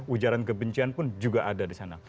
ujaran kebencian pun juga ada di sana